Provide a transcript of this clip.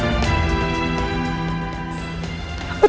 aku merasakan kata muslim in celebrate on julgoodside